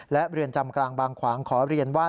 และเรือนจำกลางบางขวางขอเรียนว่า